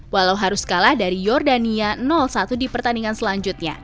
walau harus kalah dari jordania satu di pertandingan selanjutnya